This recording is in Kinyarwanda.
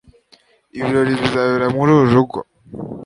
ibirori bizabera muri uru rugo